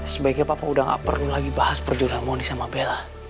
sebaiknya papa udah gak perlu lagi bahas perjuangan moni sama bella